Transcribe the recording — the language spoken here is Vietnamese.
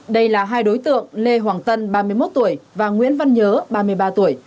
đây là hai đối tượng lê hoàng tân ba mươi một tuổi và nguyễn văn nhớ ba mươi ba tuổi